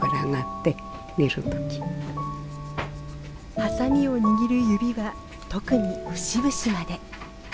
ハサミを握る指は特に節々まで。